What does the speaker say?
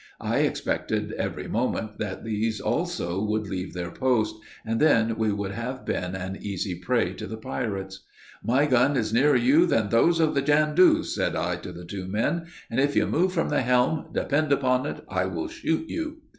I expected every moment that these also would leave their post; and then we should have been an easy prey to the pirates. "My gun is nearer you than those of the Jan dous," said I to the two men, "and if you move from the helm, depend upon it, I will shoot you."